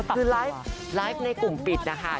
คือไลฟ์ในกลุ่มปิดนะคะ